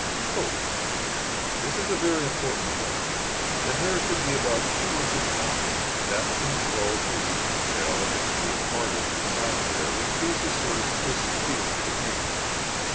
COAT This is a very important point; the hair should be about two inches long; that from skull to root of tail a mixture of hardish and soft hair, which gives a sort of crisp feel to the hand.